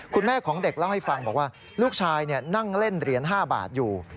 คุณแม่ของเด็กเล่าให้ฟังบอกว่าลูกชายนั่งเล่นเหรียญ๕บาทอยู่